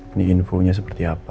ini infonya seperti apa